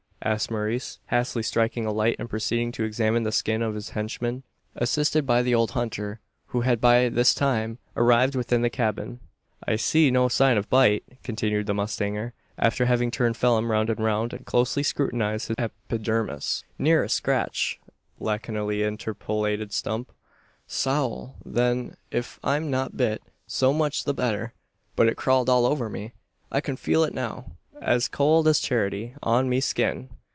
asked Maurice, hastily striking a light, and proceeding to examine the skin of his henchman, assisted by the old hunter who had by this time arrived within the cabin. "I see no sign of bite," continued the mustanger, after having turned Phelim round and round, and closely scrutinised his epidermis. "Ne'er a scratch," laconically interpolated Stump. "Sowl! then, if I'm not bit, so much the better; but it crawled all over me. I can feel it now, as cowld as charity, on me skin."